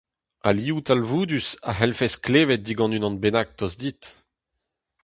Alioù talvoudus a c'hellfes klevet digant unan bennak tost dit.